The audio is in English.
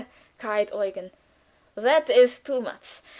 _" cried Eugen. "That is too much!